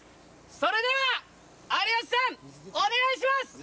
それでは有吉さんお願いします！